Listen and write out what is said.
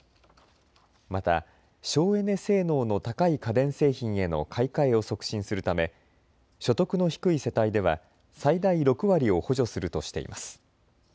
また省エネ性能の高い家電製品への買い替えを促進するため所得の低い世帯では最大６割を補助するとしています。